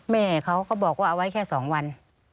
แม่เขาก็บอกว่าเอาไว้แค่๒วัน